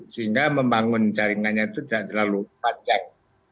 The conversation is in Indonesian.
sehingga membangun jaringannya itu tidak terlalu panjang